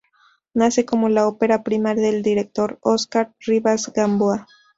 Nace como la ópera prima del director Oscar Rivas Gamboa.